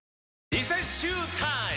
リセッシュータイム！